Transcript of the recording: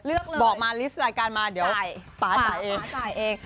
เลือกเลยบอกมาลิสต์รายการมาเดี๋ยวป๊าจ่ายเอง